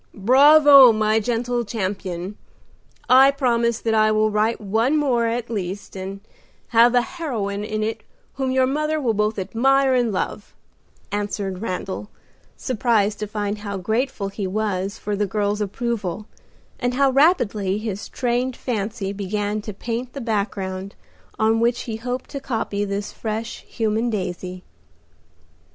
"Bravo, my gentle champion! I promise that I will write one more at least, and have a heroine in it whom your mother will both admire and love," answered Randal, surprised to find how grateful he was for the girl's approval, and how rapidly his trained fancy began to paint the background on which he hoped to copy this fresh, human daisy.